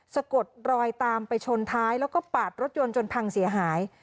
สะกดรอยตามไปชนท้ายแล้วก็ปาดรถยนต์จนพังเสียหาย